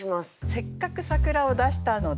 せっかく「桜」を出したので。